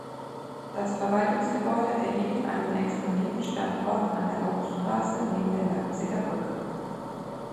Das Verwaltungsgebäude erhielt einen exponierten Standort an der Hauptstraße neben der Leipziger Brücke.